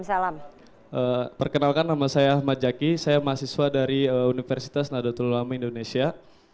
salam perkenalkan nama saya ahmad zaki saya mahasiswa dari universitas nototolo lama indonesia